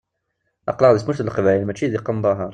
Aql-aɣ deg tmurt n Leqbayel, mačči deg Qandahaṛ.